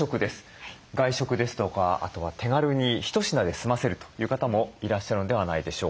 外食ですとかあとは手軽に一品で済ませるという方もいらっしゃるのではないでしょうか。